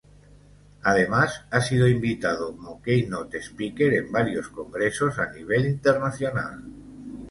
Además ha sido invitado como key-note speaker en varios congresos a nivel internacional.